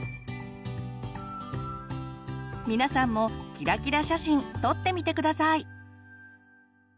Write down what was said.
皆さんもキラキラ写真撮ってみて下さい！